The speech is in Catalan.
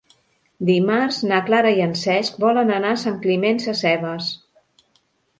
Dimarts na Clara i en Cesc volen anar a Sant Climent Sescebes.